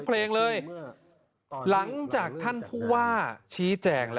อาจจะมาอัปเดตได้นะ